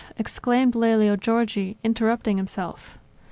exclaimed Lelio Giorgi, interrupting himself.